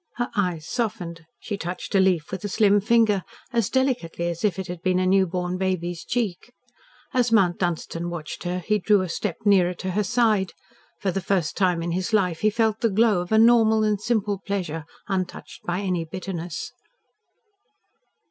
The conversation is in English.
Her eyes softened, she touched a leaf with a slim finger, as delicately as if it had been a new born baby's cheek. As Mount Dunstan watched her he drew a step nearer to her side. For the first time in his life he felt the glow of a normal and simple pleasure untouched by any bitterness.